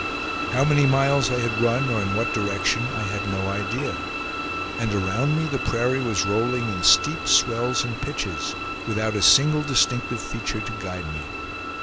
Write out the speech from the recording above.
How many miles I had run or in what direction, I had no idea; and around me the prairie was rolling in steep swells and pitches, without a single distinctive feature to guide me.